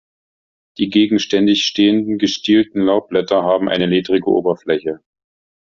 Die gegenständig stehenden, gestielten Laubblätter haben eine ledrige Oberfläche.